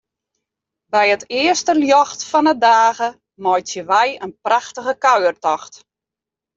By it earste ljocht fan 'e dage meitsje wy in prachtige kuiertocht.